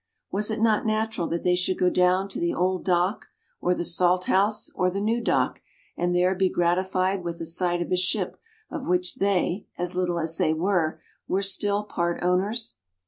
Was it not natural that they should go down to the "Old Dock," or the "Salthouse," or the "New Dock," and there be gratified with a sight of a ship of which they little as they were were still part owners?